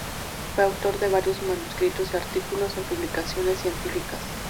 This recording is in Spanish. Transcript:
Fue autor de varios manuscritos y artículos en publicaciones científicas.